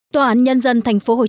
tòa án nhân dân tp hcm vừa cho biết